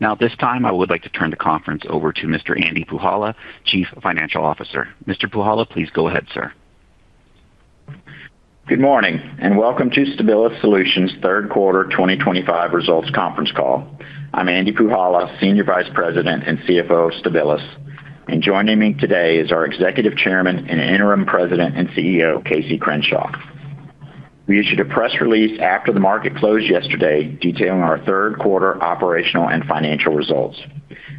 Now, at this time I would like to turn the conference over to Mr. Andy Puhala, Chief Financial Officer. Mr. Puhala, please go ahead, sir. Good morning, and welcome to Stabilis Solutions' Third Quarter 2025 Results Conference Call. I'm Andy Puhala, Senior Vice President and CFO of Stabilis, and joining me today is our Executive Chairman and Interim President and CEO, Casey Crenshaw. We issued a press release after the market closed yesterday detailing our Third Quarter Operational and Financial Results.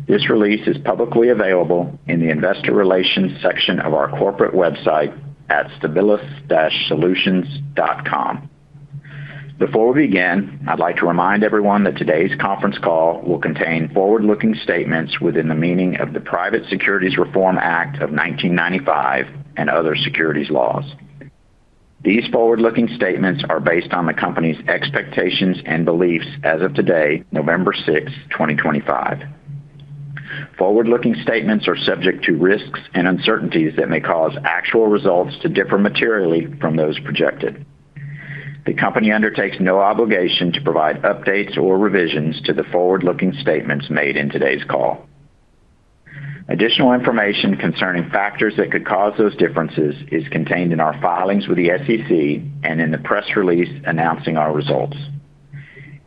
This release is publicly available in the Investor Relations section of our corporate website at stabilis-solutions.com. Before we begin, I'd like to remind everyone that today's conference call will contain forward-looking statements within the meaning of the Private Securities Reform Act of 1995 and other securities laws. These forward-looking statements are based on the company's expectations and beliefs as of today, November 6, 2025. Forward-looking statements are subject to risks and uncertainties that may cause actual results to differ materially from those projected. The company undertakes no obligation to provide updates or revisions to the forward-looking statements made in today's call. Additional information concerning factors that could cause those differences is contained in our filings with the SEC and in the press release announcing our results.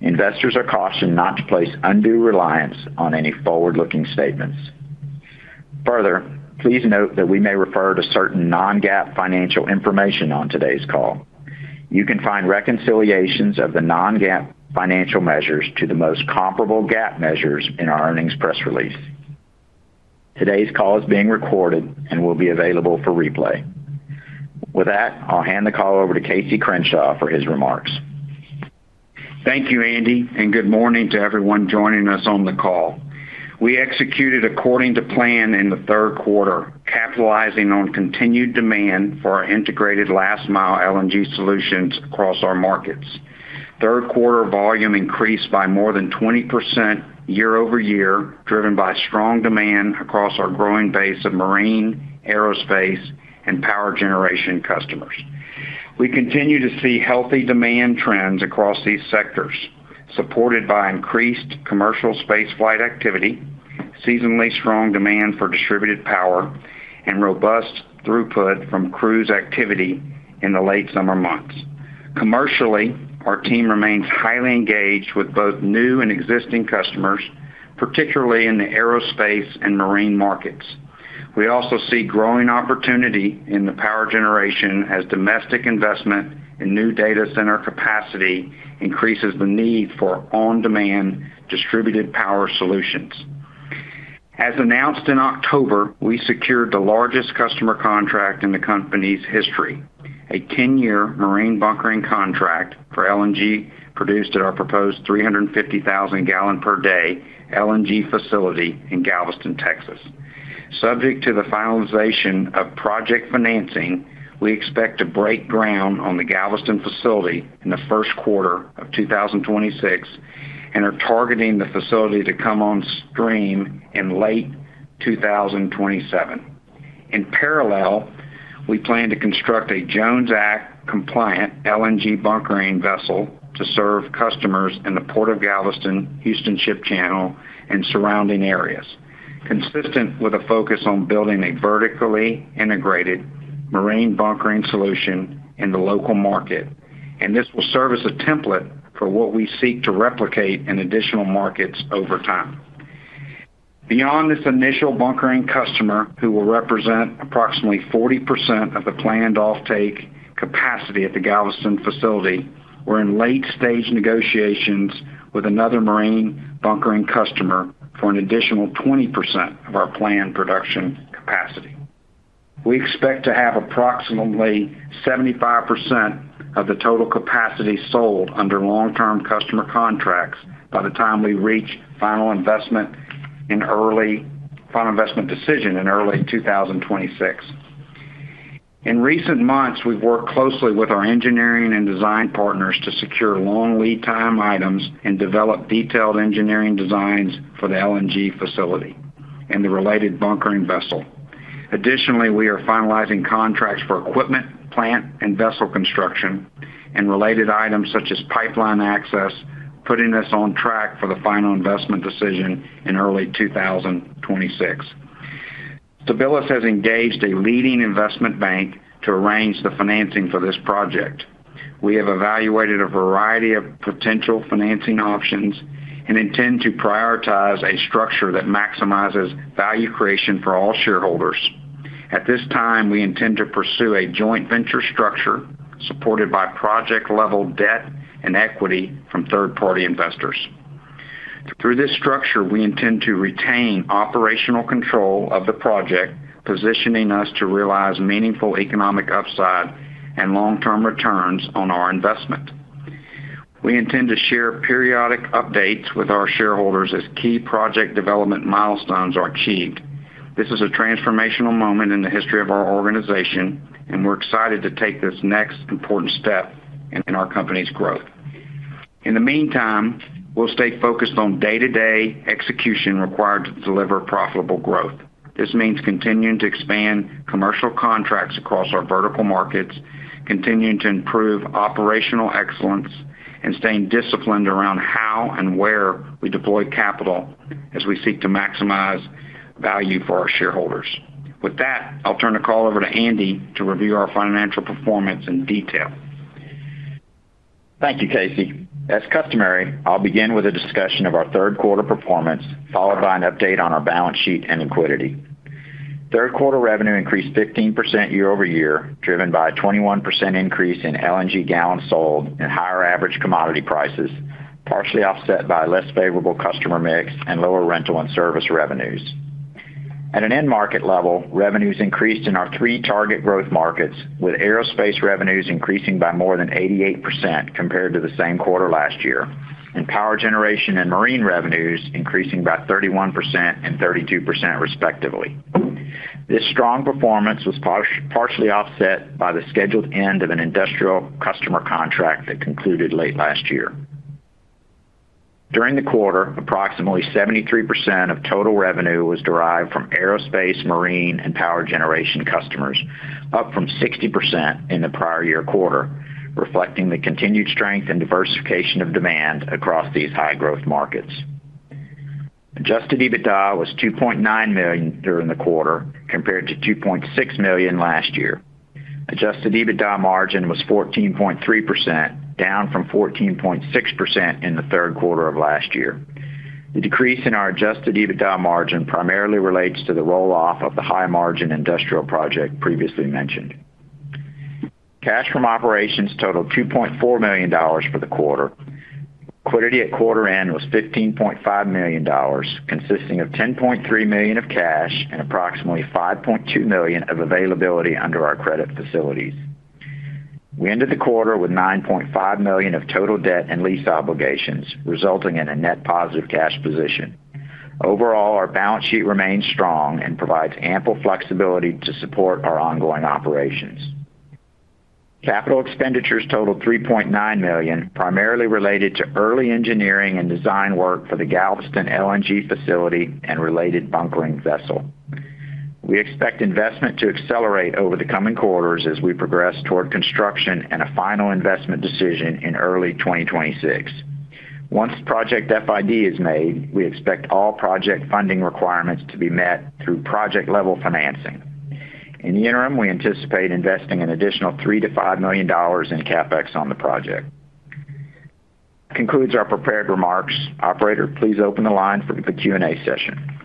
Investors are cautioned not to place undue reliance on any forward-looking statements. Further, please note that we may refer to certain non-GAAP financial information on today's call. You can find reconciliations of the non-GAAP financial measures to the most comparable GAAP measures in our earnings press release. Today's call is being recorded and will be available for replay. With that, I'll hand the call over to Casey Crenshaw for his remarks. Thank you, Andy, and good morning to everyone joining us on the call. We executed according to plan in the 3rd quarter, capitalizing on continued demand for our integrated last-mile LNG solutions across our markets. 3rd quarter volume increased by more than 20% year-over-year, driven by strong demand across our growing base of marine, aerospace, and power generation customers. We continue to see healthy demand trends across these sectors, supported by increased Commercial Space Flight Activity, seasonally strong demand for distributed power, and robust throughput from cruise activity in the late summer months. Commercially, our team remains highly engaged with both new and existing customers, particularly in the aerospace and marine markets. We also see growing opportunity in the power generation as domestic investment in new data center capacity increases the need for on-demand distributed power solutions. As announced in October, we secured the largest customer contract in the company's history, a 10-year Marine Bunkering Contract for LNG produced at our proposed 350,000-gal-per-day LNG facility in Galveston, Texas. Subject to the finalization of project financing, we expect to break ground on the Galveston facility in the 1st quarter of 2026 and are targeting the facility to come on stream in late 2027. In parallel, we plan to construct a Jones Act-compliant LNG bunkering vessel to serve customers in the Port of Galveston, Houston Ship Channel, and surrounding areas, consistent with a focus on building a vertically integrated Marine Bunkering Solution in the local market, and this will serve as a template for what we seek to replicate in additional markets over time. Beyond this initial bunkering customer, who will represent approximately 40% of the planned offtake capacity at the Galveston facility, we're in late-stage negotiations with another Marine Bunkering Customer for an additional 20% of our Planned Production Capacity. We expect to have approximately 75% of the total capacity sold under long-term customer contracts by the time we reach final investment decision in early 2026. In recent months, we've worked closely with our engineering and design partners to secure long lead time items and develop detailed engineering designs for the LNG facility and the related Bunkering Vessel. Additionally, we are finalizing contracts for equipment, plant, and vessel construction and related items such as pipeline access, putting us on track for the final investment decision in early 2026. Stabilis has engaged a leading investment bank to arrange the financing for this project. We have evaluated a variety of potential financing options and intend to prioritize a structure that maximizes value creation for all shareholders. At this time, we intend to pursue a joint venture structure supported by project-level debt and equity from 3rd-party investors. Through this structure, we intend to retain operational control of the project, positioning us to realize meaningful economic upside and long-term returns on our investment. We intend to share periodic updates with our shareholders as key project development milestones are achieved. This is a transformational moment in the history of our organization, and we're excited to take this next important step in our company's growth. In the meantime, we'll stay focused on day-to-day execution required to deliver profitable growth. This means continuing to expand commercial contracts across our vertical markets, continuing to improve operational excellence, and staying disciplined around how and where we deploy capital as we seek to maximize value for our shareholders. With that, I'll turn the call over to Andy to review our financial performance in detail. Thank you, Casey. As customary, I'll begin with a discussion of our 3rd quarter performance, followed by an update on our balance sheet and liquidity. 3rd quarter revenue increased 15% year-over-year, driven by a 21% increase in LNG gal sold and higher average commodity prices, partially offset by a less favorable customer mix and lower Rental and Service Revenues. At an end-market level, revenues increased in our three target growth markets, with Aerospace Revenues increasing by more than 88% compared to the same quarter last year, and Power Generation and Marine Revenues increasing by 31% and 32%, respectively. This strong performance was partially offset by the scheduled end of an industrial customer contract that concluded late last year. During the quarter, approximately 73% of total revenue was derived from Aerospace, Marine, and Power Generation customers, up from 60% in the prior year quarter, reflecting the continued strength and diversification of demand across these high-growth markets. Adjusted EBITDA was $2.9 million during the quarter, compared to $2.6 million last year. Adjusted EBITDA margin was 14.3%, down from 14.6% in the 3rd quarter of last year. The decrease in our adjusted EBITDA margin primarily relates to the roll-off of the high-margin industrial project previously mentioned. Cash from operations totaled $2.4 million for the quarter. Liquidity at quarter-end was $15.5 million, consisting of $10.3 million of cash and approximately $5.2 million of availability under our credit facilities. We ended the quarter with $9.5 million of total debt and lease obligations, resulting in a net positive cash position. Overall, our balance sheet remains strong and provides ample flexibility to support our ongoing operations. Capital expenditures totaled $3.9 million, primarily related to early engineering and design work for the Galveston LNG facility and related Bunkering Vessel. We expect investment to accelerate over the coming quarters as we progress toward construction and a final investment decision in early 2026. Once Project FID is made, we expect all project funding requirements to be met through project-level financing. In the interim, we anticipate investing an additional $3-$5 million in CapEx on the project. That concludes our prepared remarks. Operator, please open the line for the Q&A session.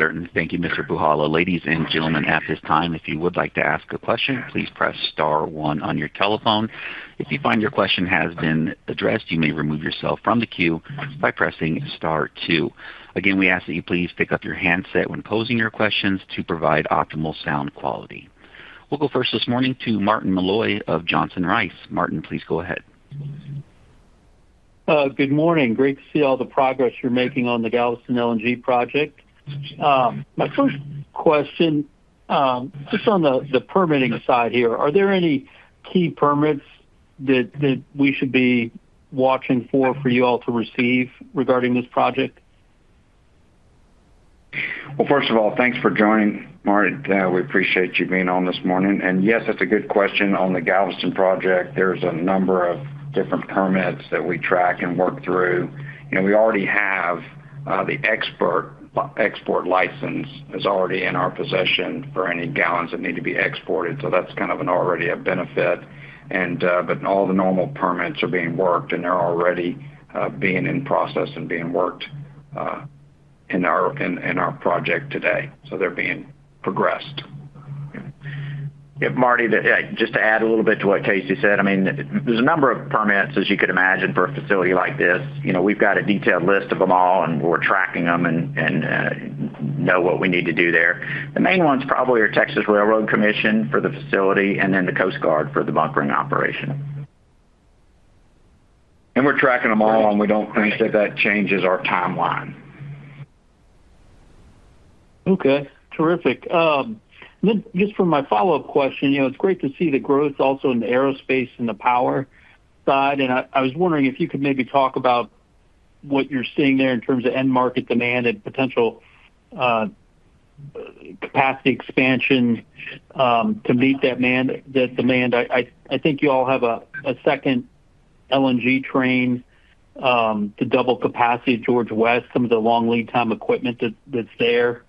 Certainly. Thank you, Mr. Puhala. Ladies and gentlemen, at this time, if you would like to ask a question, please press star one on your telephone. If you find your question has been addressed, you may remove yourself from the queue by pressing star two. Again, we ask that you please pick up your handset when posing your questions to provide optimal sound quality. We'll go first this morning to Martin Malloy of Johnson Rice. Martin, please go ahead. Good morning. Great to see all the progress you're making on the Galveston LNG project. My first question. Just on the permitting side here, are there any key permits that we should be watching for, for you all to receive regarding this project? First of all, thanks for joining, Martin. We appreciate you being on this morning. Yes, that's a good question. On the Galveston project, there's a number of different permits that we track and work through. We already have the export license that's already in our possession for any gallons that need to be exported. That's kind of already a benefit. All the normal permits are being worked, and they're already in process and being worked in our project today. They're being progressed. Yeah. Marty, just to add a little bit to what Casey said, I mean, there's a number of permits, as you could imagine, for a facility like this. We've got a detailed list of them all, and we're tracking them and know what we need to do there. The main ones probably are Texas Railroad Commission for the facility and the Coast Guard for the bunkering operation. We're tracking them all, and we don't think that that changes our timeline. Okay. Terrific. For my follow-up question, it's great to see the growth also in the Aerospace and the power side. I was wondering if you could maybe talk about what you're seeing there in terms of end-market demand and potential. Capacity expansion to meet that demand. I think you all have a 2nd LNG train to double capacity at George West. Some of the long lead time equipment that's there.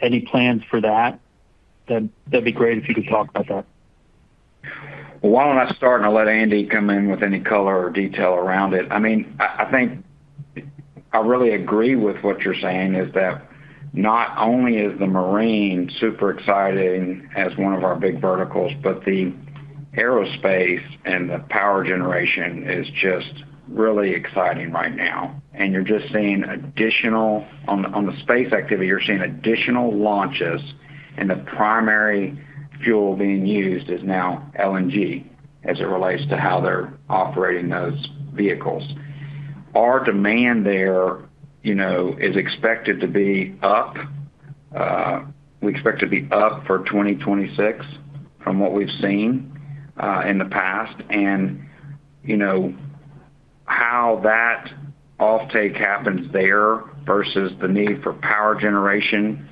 Any plans for that? That'd be great if you could talk about that. I mean, I think. I really agree with what you're saying is that not only is the marine super exciting as one of our big verticals, but the Aerospace and the Power Generation is just really exciting right now. You're just seeing additional on the space activity, you're seeing additional launches, and the primary fuel being used is now LNG as it relates to how they're operating those vehicles. Our demand there is expected to be up. We expect to be up for 2026 from what we've seen in the past. How that offtake happens there versus the need for Power Generation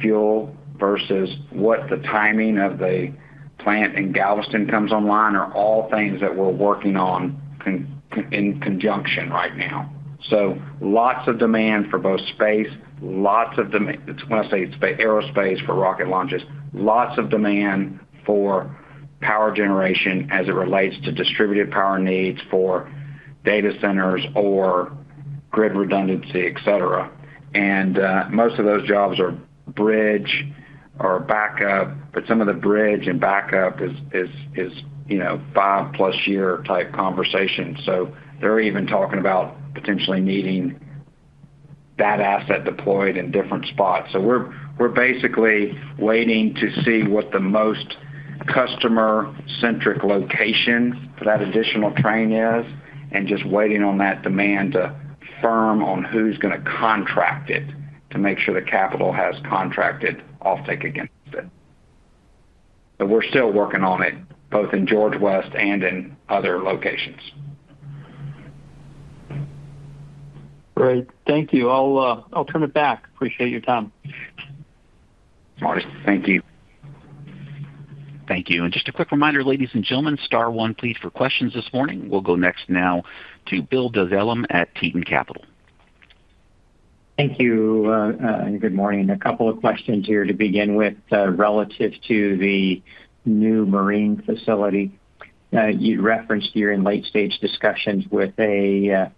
fuel versus what the timing of the plant in Galveston comes online are all things that we're working on in conjunction right now. Lots of demand for both space, lots of—when I say space—aerospace for rocket launches, lots of demand for. Power Generation as it relates to distributed power needs for. Data centers or. Grid redundancy, etc. Most of those jobs are bridge or backup, but some of the bridge and backup is. 5+ year type conversation. They're even talking about potentially needing. That asset deployed in different spots. We're basically waiting to see what the most customer-centric location for that additional train is and just waiting on that demand to firm on who's going to contract it to make sure the capital has contracted offtake against it. We're still working on it both in George West and in other locations. Great. Thank you. I'll turn it back. Appreciate your time. Martin, thank you. Thank you. And just a quick reminder, ladies and gentlemen, star one, please, for questions this morning. We'll go next now to Bill Dezellem at Tieton Capital. Thank you. Good morning. A couple of questions here to begin with relative to the new marine facility. You referenced you're in late-stage discussions with a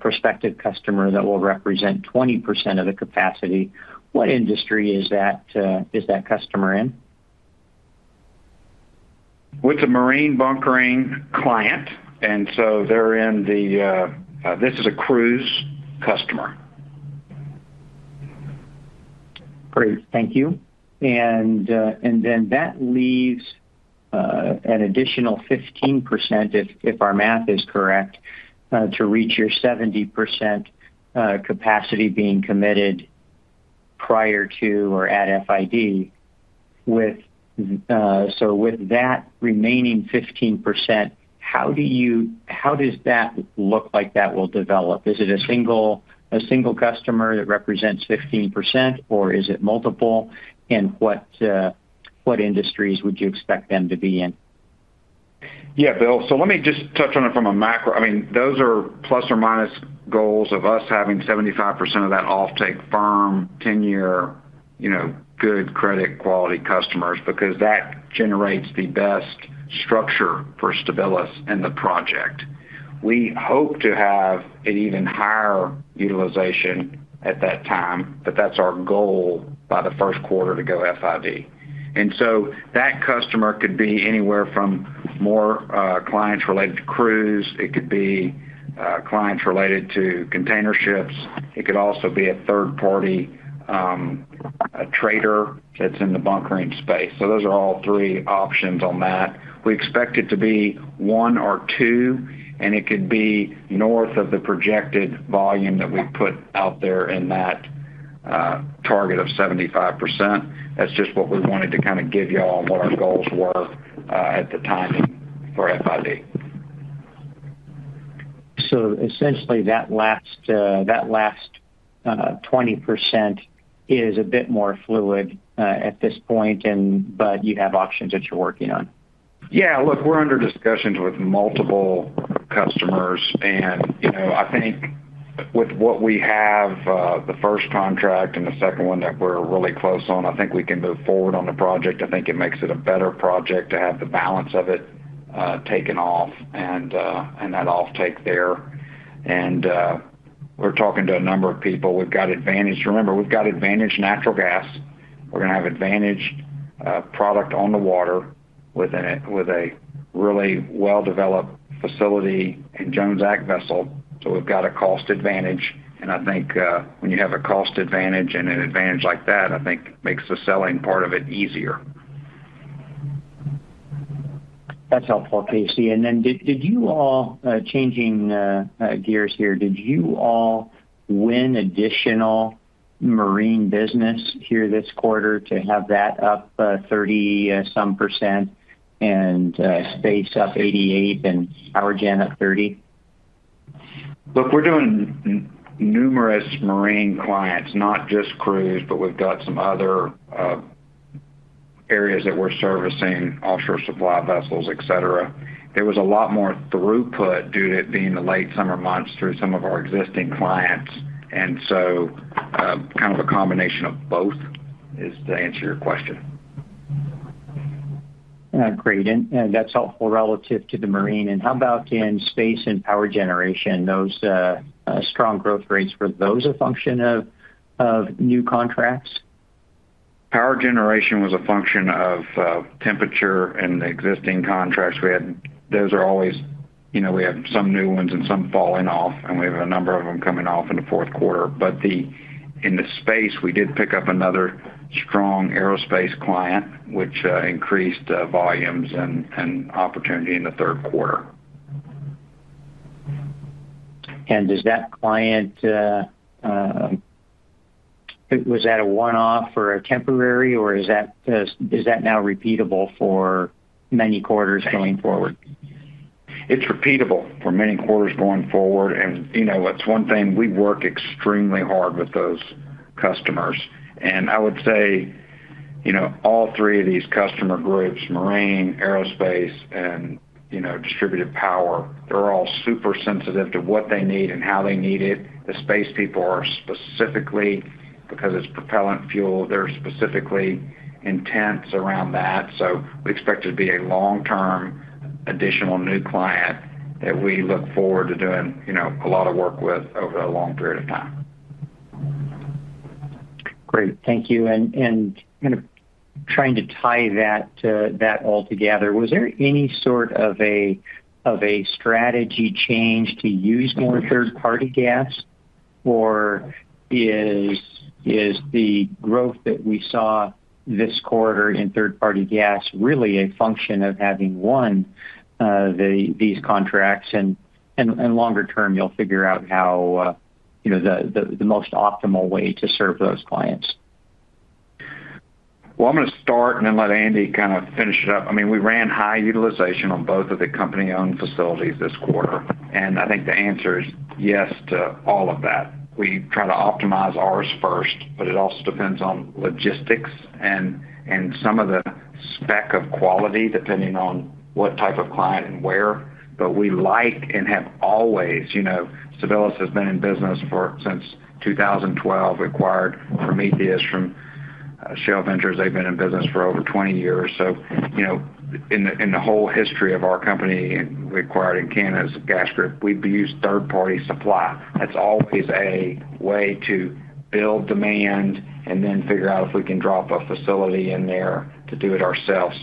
prospective customer that will represent 20% of the capacity. What industry is that customer in? With the Marine Bunkering Client. They're in the—this is a cruise customer. Great. Thank you. That leaves an additional 15%, if our math is correct, to reach your 70% capacity being committed prior to or at FID. With that remaining 15%, how does that look like that will develop? Is it a single customer that represents 15%, or is it multiple, and what industries would you expect them to be in? Yeah, Bill. Let me just touch on it from a macro. I mean, those are plus or minus goals of us having 75% of that offtake firm, 10-year. Good credit quality customers because that generates the best structure for Stabilis and the project. We hope to have an even higher utilization at that time, but that's our goal by the 1st quarter to go FID. That customer could be anywhere from more clients related to cruise. It could be clients related to container ships. It could also be a 3rd-party trader that's in the Bunkering Space. Those are all three options on that. We expect it to be one or two, and it could be north of the projected volume that we put out there in that target of 75%. That's just what we wanted to kind of give you all and what our goals were at the timing for FID. Essentially, that last 20% is a bit more fluid at this point, but you have options that you're working on. Yeah. Look, we're under discussions with multiple customers. I think with what we have, the 1st contract and the 2nd one that we're really close on, I think we can move forward on the project. I think it makes it a better project to have the balance of it taken off and that offtake there. We're talking to a number of people. We've got advantage. Remember, we've got advantage natural gas. We're going to have advantage product on the water with a really well-developed facility and Jones Act vessel. We've got a cost advantage. I think when you have a cost advantage and an advantage like that, I think it makes the selling part of it easier. That's helpful, Casey. Did you all—changing gears here—did you all win additional marine business here this quarter to have that up 30-some percent and space up 88% and power gen up 30%? Look, we're doing numerous marine clients, not just cruise, but we've got some other areas that we're servicing, offshore supply vessels, et cetera. There was a lot more throughput due to it being the late summer months through some of our existing clients. Kind of a combination of both is to answer your question. Great. That's helpful relative to the marine. How about in space and power generation? Those strong growth rates, were those a function of new contracts? Power Generation was a function of temperature and the existing contracts we had. Those are always—we have some new ones and some falling off, and we have a number of them coming off in the 4th quarter. In the space, we did pick up another strong aerospace client, which increased volumes and opportunity in the 3rd quarter. Was that a one-off or a temporary, or is that now repeatable for many quarters going forward? It's repeatable for many quarters going forward. It's one thing we work extremely hard with those customers. I would say all three of these Customer Groups, Marine, Aerospace, and Distributed Power, they're all super sensitive to what they need and how they need it. The space people are specifically, because it's propellant fuel, they're specifically intense around that. We expect it to be a long-term additional new client that we look forward to doing a lot of work with over a long period of time. Great. Thank you. Kind of trying to tie that all together, was there any sort of a strategy change to use more 3rd-party gas, or is the growth that we saw this quarter in 3rd-party gas really a function of having won these contracts? Longer term, you'll figure out how the most optimal way to serve those clients. I'm going to start and then let Andy kind of finish it up. I mean, we ran high utilization on both of the company-owned facilities this quarter. I think the answer is yes to all of that. We try to optimize ours first, but it also depends on logistics and some of the spec of quality depending on what type of client and where. We like and have always—Stabilis has been in business since 2012. We acquired Prometheus from Shell Ventures. They've been in business for over 20 years. In the whole history of our company, we acquired Incanas Gas Group, we've used 3rd-party supply. That's always a way to build demand and then figure out if we can drop a facility in there to do it ourselves.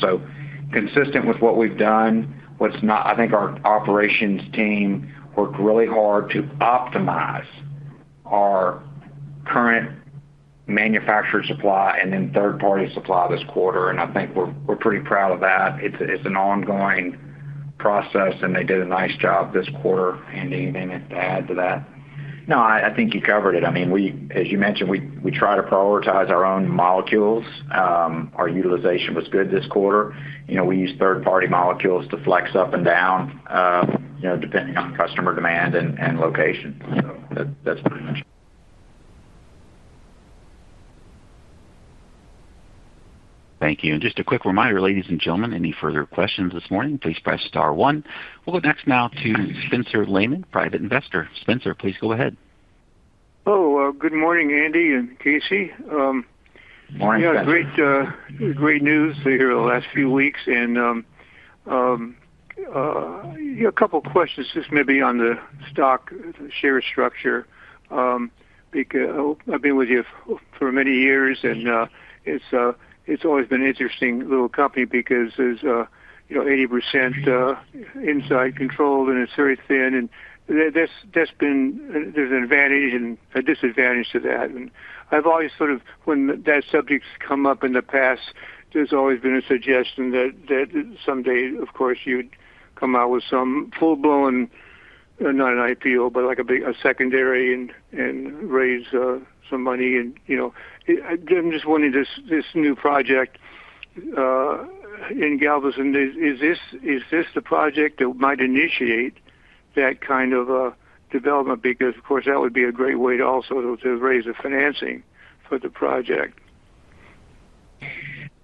Consistent with what we've done, I think our operations team worked really hard to optimize our current. Manufactured supply and then 3rd-party supply this quarter. I think we're pretty proud of that. It's an ongoing process, and they did a nice job this quarter. Andy, anything to add to that? No, I think you covered it. I mean, as you mentioned, we try to prioritize our own molecules. Our utilization was good this quarter. We use 3rd-party molecules to flex up and down, depending on customer demand and location. That's pretty much it. Thank you. Just a quick reminder, ladies and gentlemen, any further questions this morning, please press star one. We'll go next now to Spencer Lehman, private investor. Spencer, please go ahead. Oh, good morning, Andy and Casey. Morning, Spencer. We got great news here the last few weeks. A couple of questions just maybe on the stock share structure. I've been with you for many years, and it's always been an interesting little company because there's 80% inside controlled, and it's very thin. There's an advantage and a disadvantage to that. I've always sort of, when that subject's come up in the past, there's always been a suggestion that someday, of course, you'd come out with some full-blown, not an IPO, but a secondary and raise some money. I'm just wondering, this new project in Galveston, is this the project that might initiate that kind of development? Because, of course, that would be a great way to also raise the financing for the project.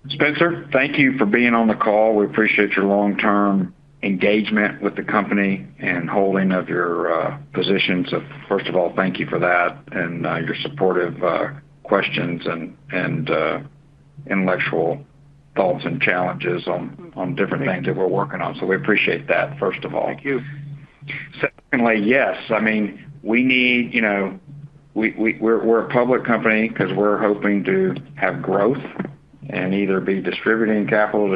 Spencer, thank you for being on the call. We appreciate your long-term engagement with the company and holding of your positions. First of all, thank you for that and your supportive questions and intellectual thoughts and challenges on different things that we're working on. We appreciate that, first of all. Thank you. Secondly, yes. I mean, we need. We're a public company because we're hoping to have growth and either be distributing capital,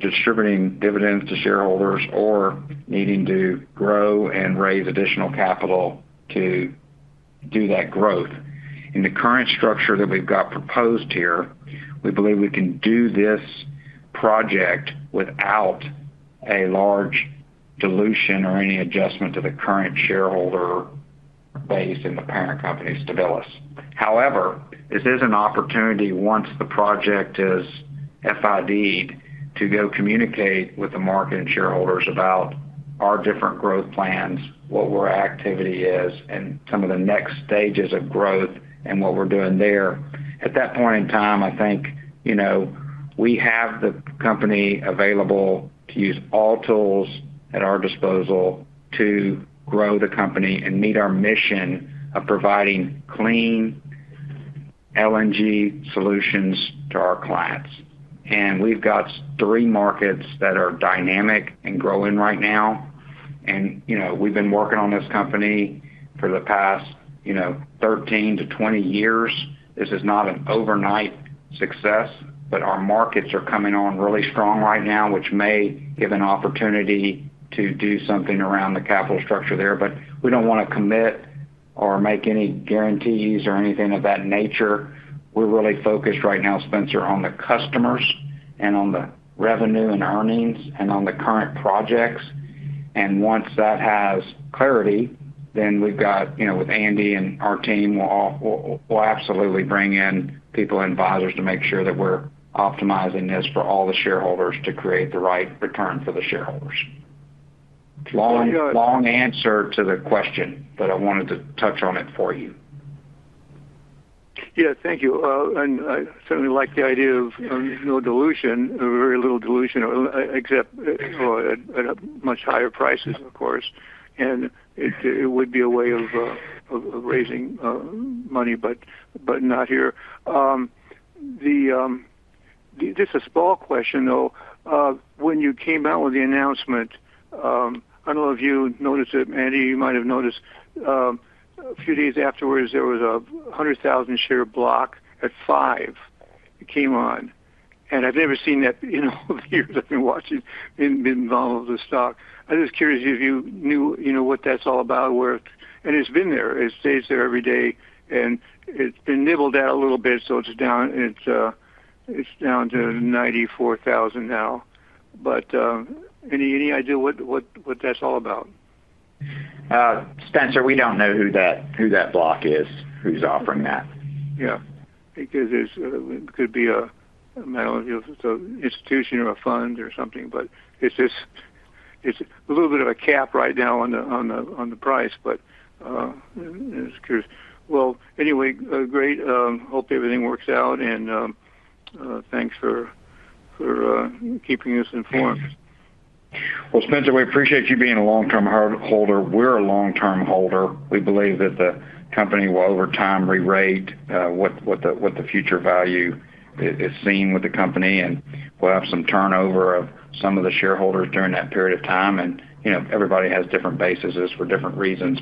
dividends to shareholders or needing to grow and raise additional capital to do that growth. In the current structure that we've got proposed here, we believe we can do this project without a large dilution or any adjustment to the current shareholder base in the parent company, Stabilis. However, this is an opportunity once the project is FIDed to go communicate with the market and shareholders about our different growth plans, what our activity is, and some of the next stages of growth and what we're doing there. At that point in time, I think we have the company available to use all tools at our disposal to grow the company and meet our mission of providing clean LNG solutions to our clients. We have three markets that are dynamic and growing right now. We have been working on this company for the past 13-20 years. This is not an overnight success, but our markets are coming on really strong right now, which may give an opportunity to do something around the capital structure there. We do not want to commit or make any guarantees or anything of that nature. We are really focused right now, Spencer, on the customers and on the revenue and earnings and on the current projects. Once that has clarity, then we have, with Andy and our team, we will absolutely bring in people and advisors to make sure that we are optimizing this for all the shareholders to create the right return for the shareholders. Long answer to the question, but I wanted to touch on it for you. Yeah, thank you. I certainly like the idea of no dilution, very little dilution, except at much higher prices, of course. It would be a way of raising money, but not here. Just a small question, though. When you came out with the announcement, I don't know if you noticed it, Andy, you might have noticed. A few days afterwards, there was a 100,000-share block at five came on. I've never seen that in all the years I've been watching, involved with the stock. I'm just curious if you knew what that's all about. It's been there. It stays there every day. It's been nibbled out a little bit, so it's down to 94,000 now. Any idea what that's all about? Spencer, we don't know who that block is, who's offering that. Yeah. Because it could be an institution or a fund or something. It's a little bit of a cap right now on the price. I'm just curious. Anyway, great. Hope everything works out. Thanks for keeping us informed. Spencer, we appreciate you being a long-term holder. We're a long-term holder. We believe that the company will, over time, re-rate what the future value is seen with the company. We'll have some turnover of some of the shareholders during that period of time. Everybody has different bases for different reasons.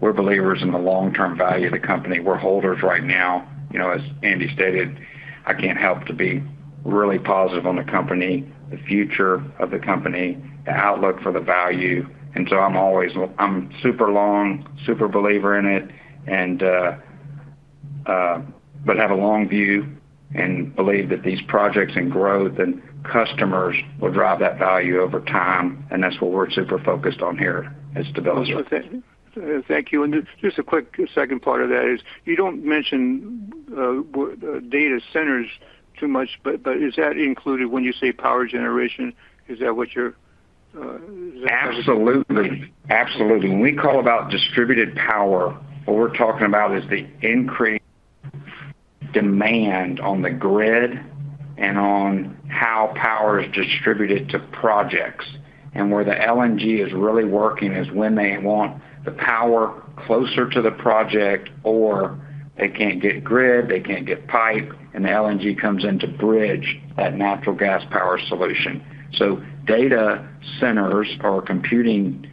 We're believers in the long-term value of the company. We're holders right now. As Andy stated, I can't help but be really positive on the company, the future of the company, the outlook for the value. I'm super long, super believer in it. I have a long view and believe that these projects and growth and customers will drive that value over time. That's what we're super focused on here at Stabilis. Thank you. Just a quick 2nd part of that is you do not mention Data Centers too much, but is that included when you say Power Generation? Is that what you are? Absolutely. Absolutely. When we call about Distributed Power, what we're talking about is the increased demand on the grid and on how power is distributed to projects. Where the LNG is really working is when they want the power closer to the project, or they can't get grid, they can't get pipe, and the LNG comes in to bridge that Natural Gas Power Solution. Data Centers or computing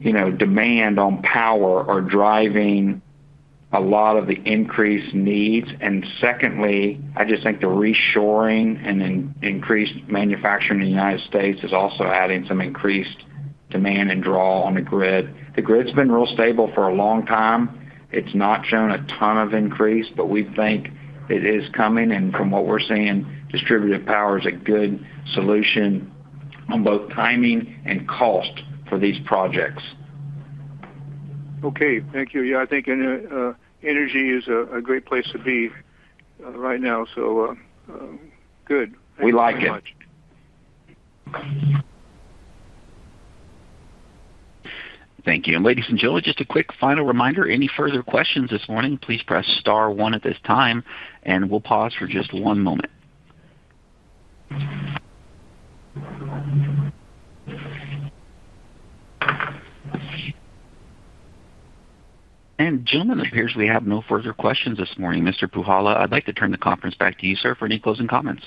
demand on power are driving a lot of the increased needs. Secondly, I just think the reshoring and increased manufacturing in the United States is also adding some increased demand and draw on the grid. The grid's been real stable for a long time. It's not shown a ton of increase, but we think it is coming. From what we're seeing, distributed power is a good solution on both timing and cost for these projects. Okay. Thank you. Yeah, I think energy is a great place to be right now. Good. We like it. Thank you. Ladies and gentlemen, just a quick final reminder. Any further questions this morning, please press star one at this time. We will pause for just one moment. Gentlemen, it appears we have no further questions this morning. Mr. Puhala, I would like to turn the conference back to you, sir, for any closing comments.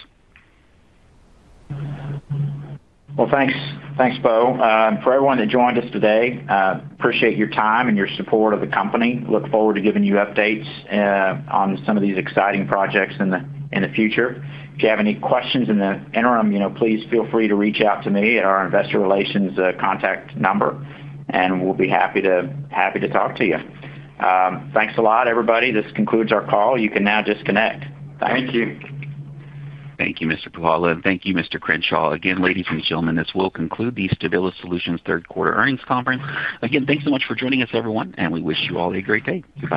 Thanks, Bo. For everyone that joined us today, I appreciate your time and your support of the company. Look forward to giving you updates on some of these exciting projects in the future. If you have any questions in the interim, please feel free to reach out to me at our investor relations contact number. We'll be happy to talk to you. Thanks a lot, everybody. This concludes our call. You can now disconnect. Thanks. Thank you. Thank you, Mr. Puhala. Thank you, Mr. Crenshaw. Again, ladies and gentlemen, this will conclude the Stabilis Solutions Third Quarter Earnings Conference. Again, thanks so much for joining us, everyone. We wish you all a great day. Good.